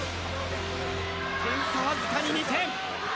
点差わずかに２点。